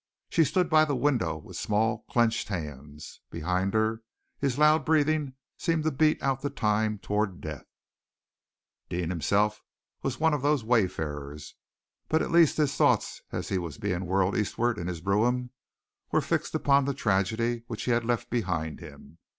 She stood by the window with small, clenched hands. Behind her, his loud breathing seemed to beat out the time toward Death. Deane himself was one of those wayfarers, but at least his thoughts, as he was being whirled eastward in his brougham, were fixed upon the tragedy which he had left behind him.